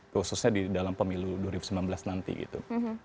khususnya di dalam pemilu dua ribu sembilan belas nanti gitu